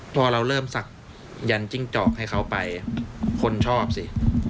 พอเราเริ่มศักดิ์ยันจิ้งจอกให้เขาไปคนชอบสิ